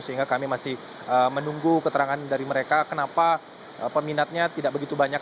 sehingga kami masih menunggu keterangan dari mereka kenapa peminatnya tidak begitu banyak